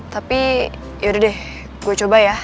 tapi yaudah deh gue coba ya